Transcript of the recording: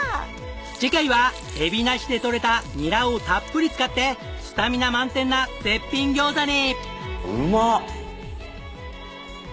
次回は海老名市で採れたニラをたっぷり使ってスタミナ満点な絶品餃子に！